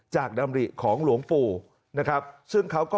จากดำริของหลวงปู่นะครับ